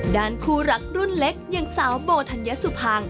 ด้านคู่รักรุ่นเล็กอย่างสาวโบธัญสุพัง